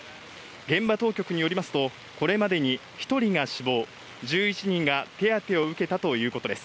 現場当局によりますと、これまでに１人が死亡、１１人が手当を受けたということです。